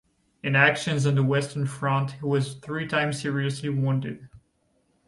In actions on the Western Front he was three times seriously wounded.